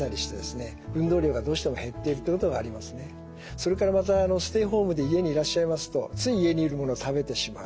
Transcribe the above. それからまたステイホームで家にいらっしゃいますとつい家にものを食べてしまう。